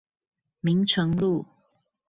明誠路